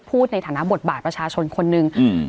พูดในฐานะบทบาทประชาชนคนหนึ่งอืม